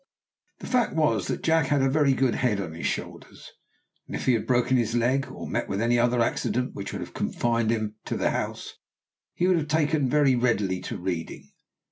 The fact was that Jack had a very good head on his shoulders, and had he broken his leg, or met with any other accident which would have confined him to the house, he would have taken very readily to reading.